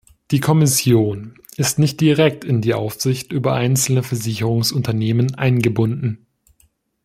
Die Kommission ist nicht direkt in die Aufsicht über einzelne Versicherungsunternehmen eingebunden.